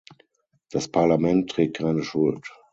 Das Parlament trägt keine Schuld.